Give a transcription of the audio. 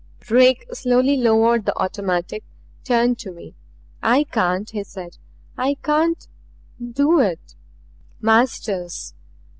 Drake slowly lowered the automatic; turned to me. "I can't," he said. "I can't do it " "Masters!"